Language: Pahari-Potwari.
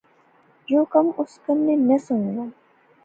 یو کم ہیک اس کنے نہسا ہونا